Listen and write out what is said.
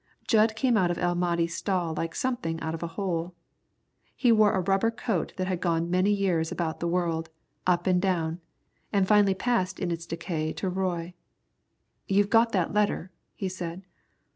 Jud came out of El Mahdi's stall like something out of a hole. He wore a rubber coat that had gone many years about the world, up and down, and finally passed in its decay to Roy. "You've got that letter?" he said.